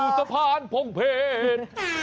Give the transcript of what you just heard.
อยู่สะพานพงเพชร